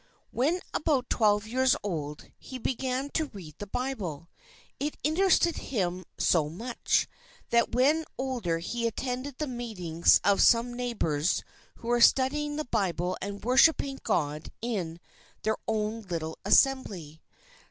When about twelve years old, he began to read the Bible. It interested him so much, that when older he attended the meetings of some neighbours who were studying the Bible and worshipping God in their own little Assembly.